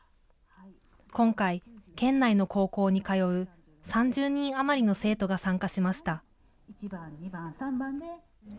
今回、県内の高校に通う３０人余りの生徒が参加しました。